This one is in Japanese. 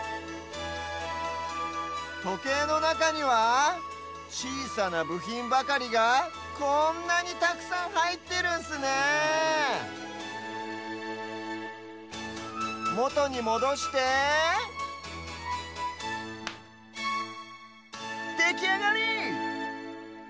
とけいのなかにはちいさなぶひんばかりがこんなにたくさんはいってるんすねえもとにもどしてできあがり！